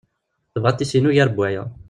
Tebɣa ad t-tissin ugar n waya.